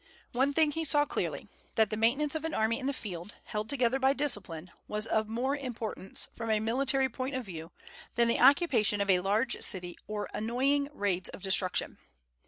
One thing he saw clearly, that the maintenance of an army in the field, held together by discipline, was of more importance, from a military point of view, than the occupation of a large city or annoying raids of destruction.